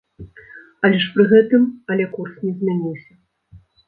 Але ж пры гэтым але курс не змяніўся.